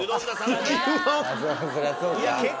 そりゃそうか。